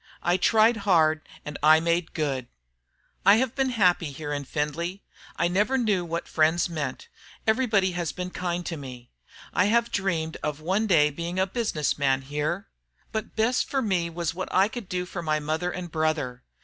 I tried hard and I made good." "I have been very happy here in Findlay. I never knew what friends meant. Everybody has been kind to me. I have dreamed of one day being a business man here. But best for me was what I could do for my mother and brother.